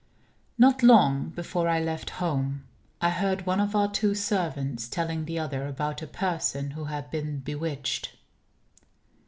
Not long before I left home, I heard one of our two servants telling the other about a person who had been "bewitched."